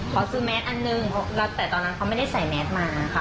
เขาซื้อแมสอันหนึ่งแล้วแต่ตอนนั้นเขาไม่ได้ใส่แมสมาค่ะ